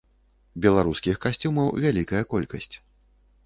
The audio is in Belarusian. Беларускіх касцюмаў вялікая колькасць.